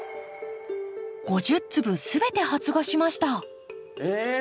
５０粒全て発芽しましたえっ！